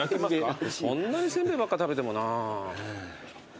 そんなにせんべいばっか食べてもな。